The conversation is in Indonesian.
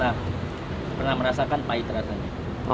saya pernah merasakan pahit rasanya